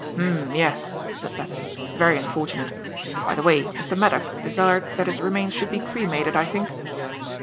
"H'm, yes," said Batson, "very unfortunate. By the way, Mr. Maddock desired that his remains should be cremated, I think?"